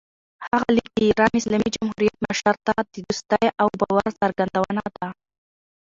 هغه لیک د ایران اسلامي جمهوریت مشر ته د دوستۍ او باور څرګندونه ده.